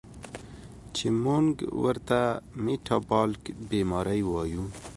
چې مونږ ورته ميټابالک بیمارۍ وايو